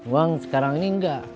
uang sekarang ini nggak